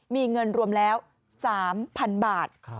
มีเงินรวมแล้ว๓๐๐๐บาท